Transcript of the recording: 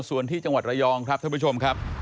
ส่วนที่จังหวัดระยองครับท่านผู้ชมครับ